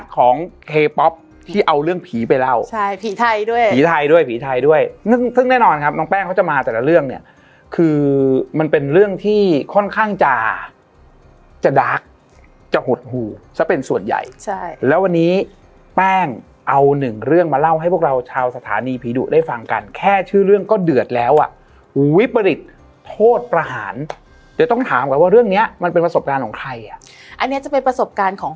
ของเคป๊อปที่เอาเรื่องผีไปเล่าใช่ผีไทยด้วยผีไทยด้วยผีไทยด้วยซึ่งซึ่งแน่นอนครับน้องแป้งเขาจะมาแต่ละเรื่องเนี่ยคือมันเป็นเรื่องที่ค่อนข้างจะจะหุดหูซะเป็นส่วนใหญ่ใช่แล้ววันนี้แป้งเอาหนึ่งเรื่องมาเล่าให้พวกเราชาวสถานีผีดุได้ฟังกันแค่ชื่อเรื่องก็เดือดแล้วอ่ะวิปริตโทษประหารเดี๋ยวต้องถามก